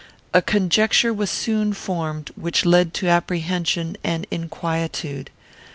A conjecture was soon formed, which led to apprehension and inquietude.